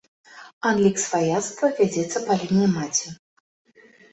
Адлік сваяцтва вядзецца па лініі маці.